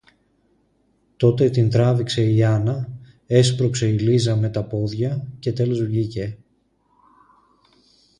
Τότε την τράβηξε η Άννα, έσπρωξε η Λίζα με τα πόδια, και τέλος βγήκε.